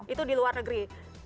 itu di luar negeri